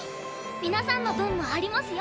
皆さんの分もありますよ。